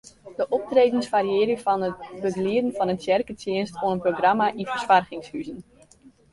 De optredens fariearje fan it begelieden fan in tsjerketsjinst oant in programma yn fersoargingshuzen.